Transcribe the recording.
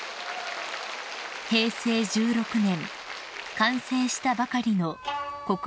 ［平成１６年完成したばかりの国立劇場